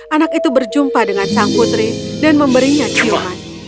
anak itu berjumpa dengan sang putri dan memberinya ciohan